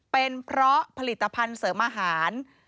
เป็นเพราะผลิตภัณฑ์เสริมอาหาร